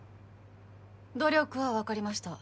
努力は分かりました